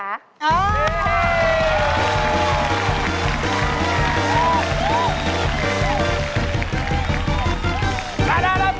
นั่นแล้ว